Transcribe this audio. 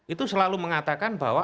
itu selalu mengatakan bahwa